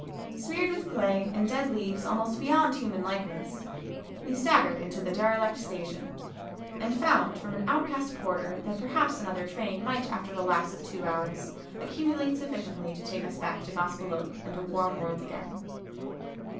Smeared with clay and dead leaves almost beyond human likeness, we staggered into the derelict station, and found from an outcast porter that perhaps another train might after the lapse of two hours accumulate sufficiently to take us back to Gospel Oak and a warm world again.